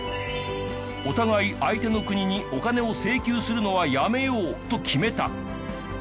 お互い相手の国にお金を請求するのはやめようと決めた。